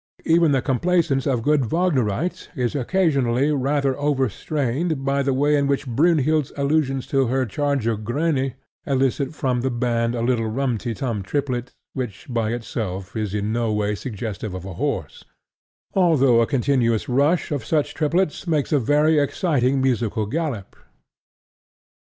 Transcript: Even the complaisance of good Wagnerites is occasionally rather overstrained by the way in which Brynhild's allusions to her charger Grani elicit from the band a little rum ti tum triplet which by itself is in no way suggestive of a horse, although a continuous rush of such triplets makes a very exciting musical gallop.